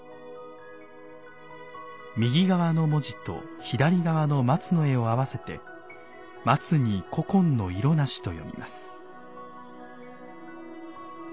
右側の文字と左側の松の絵を合わせて「松に古今の色無し」と読みます。